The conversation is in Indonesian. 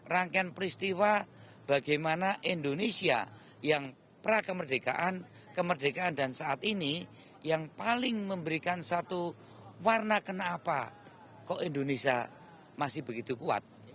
rangkaian peristiwa bagaimana indonesia yang pra kemerdekaan kemerdekaan dan saat ini yang paling memberikan satu warna kenapa kok indonesia masih begitu kuat